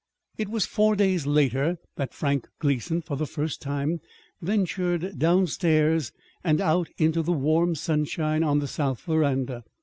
It was four days later that Frank Gleason for the first time ventured downstairs and out into the warm sunshine on the south veranda.